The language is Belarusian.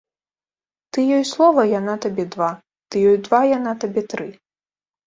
Ты ёй слова, яна табе два, ты ёй два, яна табе тры.